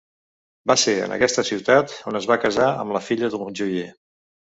Va ser en aquesta ciutat on es va casar amb la filla d'un joier.